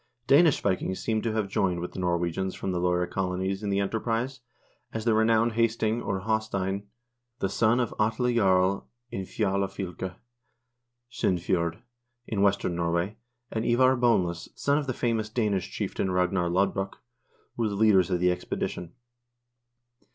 Danish Vikings seem to have joined with the Norwegians from the Loire colonies in the enterprise, as the renowned Hasting, or Haastein, the son of Atle Jarl in Fjalafylke (S0ndfjord), in western Norway, and Ivar Boneless, son of the famous Danish chieftain Ragnar Lodbrok, were the leaders of the expedition.